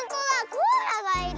コアラがいる。